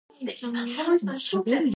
Аларга киңрәк тукталып китик.